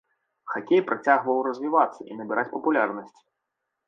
Хакей працягваў развівацца і набіраць папулярнасць.